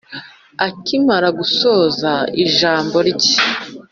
akimara gusoza ijambo rye